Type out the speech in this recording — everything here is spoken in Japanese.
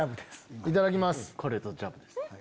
いただきます。